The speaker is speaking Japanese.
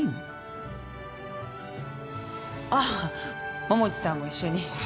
ああ桃地さんも一緒に。